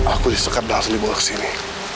aku disekat langsung dibawa kesini